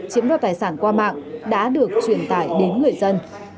chiếm đoạt tài sản qua mạng đã được truyền tải đến người dân